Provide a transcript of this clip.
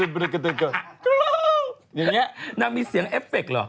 อย่างเงี๊ยเนี้ยน่ามีเสียงเอฟเฟ็กท์เหรอ